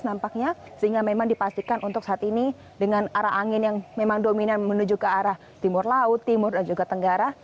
nampaknya sehingga memang dipastikan untuk saat ini dengan arah angin yang memang dominan menuju ke arah timur laut timur dan juga tenggara